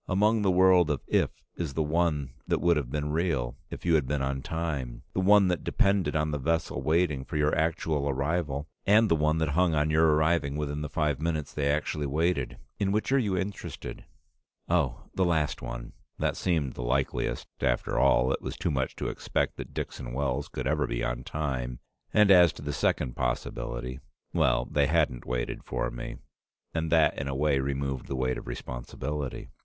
Among the world of 'if' is the one that would have been real if you had been on time, the one that depended on the vessel waiting for your actual arrival, and the one that hung on your arriving within the five minutes they actually waited. In which are you interested?" "Oh the last one." That seemed the likeliest. After all, it was too much to expect that Dixon Wells could ever be on time, and as to the second possibility well, they hadn't waited for me, and that in a way removed the weight of responsibility.